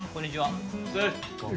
こんにちは。